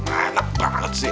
enak banget sih